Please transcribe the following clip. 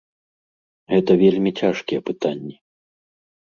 Гэта вельмі цяжкія пытанні.